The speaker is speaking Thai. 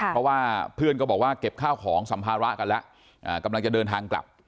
เพราะว่าเพื่อนก็บอกว่าเก็บข้าวของสัมภาระกันแล้วกำลังจะเดินทางกลับ